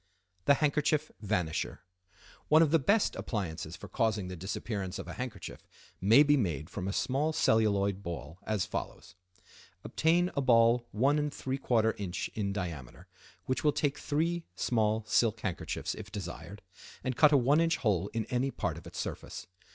The Handkerchief Vanisher.—One of the best appliances for causing the disappearance of a handkerchief may be made from a small celluloid ball as follows:—Obtain a ball 1¾ in. in diameter, which will take three small silk handkerchiefs if desired, and cut a 1 in. hole in any part of its surface.